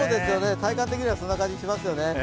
体感的にはそんな感じしますよね。